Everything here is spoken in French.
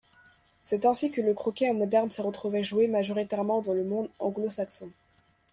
C'est ainsi que le croquet moderne s'est trouvé joué majoritairement dans le monde anglo-saxon.